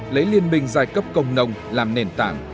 lấy liên minh giai cấp công nông làm nền tảng